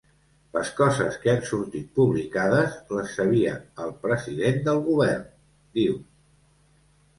Les coses que han sortit publicades, les sabia el president del govern, diu.